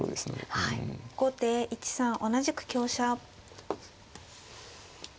後手１三同じく香車。